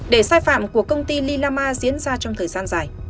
để sai phạm của công ty lilama diễn ra trong thời gian dài